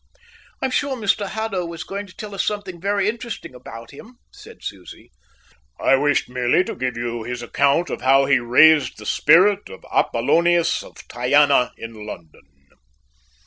"I'm sure Mr Haddo was going to tell us something very interesting about him," said Susie. "I wished merely to give you his account of how he raised the spirit of Apollonius of Tyana in London."